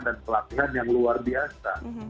dan pelatihan yang luar biasa